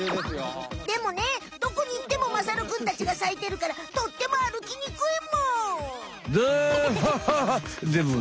でもねどこに行ってもまさるくんたちが咲いてるからとってもあるきにくいむ。